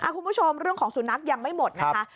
คุณผู้ชมเรื่องของสุนัขยังไม่หมดนะคะ